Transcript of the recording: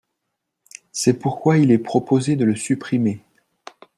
C’est pourquoi il est proposé de le supprimer.